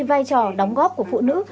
vai trò đóng góp của phụ nữ